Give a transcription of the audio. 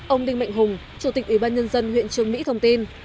ông đinh mạnh hùng chủ tịch ủy ban nhân dân huyện trường mỹ thông tin